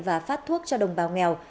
và phát thuốc cho đồng bào nghèo